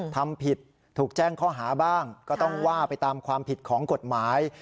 ทำผิดถูกแจ้งข้อหาบ้างก็ต้องว่าไปตามความผิดของกฎหมาย